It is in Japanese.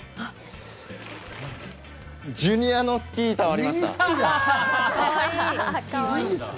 ジュニアのスキー板はありました。